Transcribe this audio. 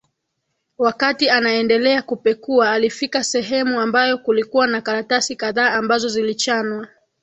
Wakati anaendelea kupekua alifika sehemu ambayo kulikuwa na karatasi kadhaa ambazo zilichanwa